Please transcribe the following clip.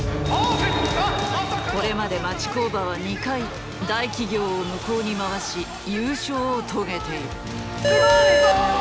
これまで町工場は２回大企業を向こうに回し優勝を遂げている。